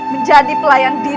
menjadi pelayan dinda